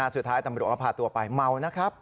สุดท้ายตำรวจก็พาตัวไปเมานะครับ